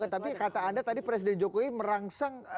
tapi kata anda tadi presiden jokowi merangsang